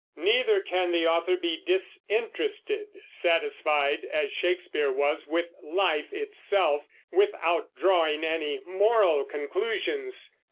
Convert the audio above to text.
Neither can the author be disinterested, satisfied, as Shakespeare was, with life itself, without drawing any moral conclusions.